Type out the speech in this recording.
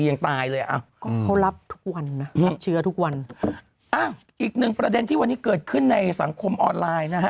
ยังตายเลยอ่ะก็เขารับทุกวันนะรับเชื้อทุกวันอ้าวอีกหนึ่งประเด็นที่วันนี้เกิดขึ้นในสังคมออนไลน์นะฮะ